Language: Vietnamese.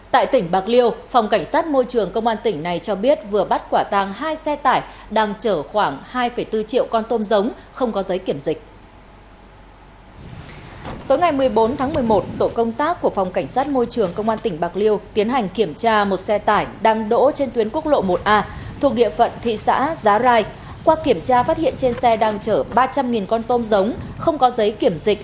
tại tỉnh bạc liêu phòng cảnh sát môi trường công an tỉnh này cho biết vừa bắt quả tàng hai xe tải đang chở khoảng hai bốn triệu con tôm giống không có giấy kiểm dịch